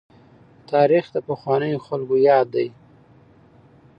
تاريخ د پخوانیو خلکو ياد دی.